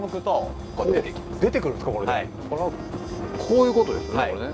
こういうことですよね？